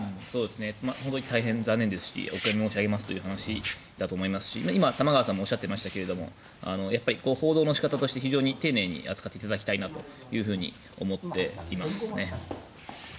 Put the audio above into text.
本当に大変残念ですしお悔やみ申し上げますという話だと思いますし今、玉川さんもおっしゃっていましたがやっぱり報道の仕方として非常に丁寧に扱っていただきたいなと思っていますね。